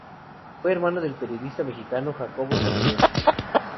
Fue hermano del periodista mexicano Jacobo Zabludovsky.